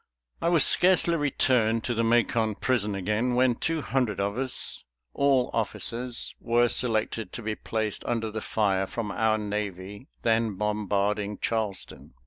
I was scarcely returned to the Macon prison again when two hundred of us, all officers, were selected to be placed under the fire from our navy then bombarding Charleston.